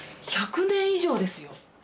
１００年以上ですよ。